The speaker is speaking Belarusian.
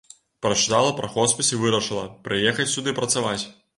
Прачытала пра хоспіс і вырашыла прыехаць сюды працаваць.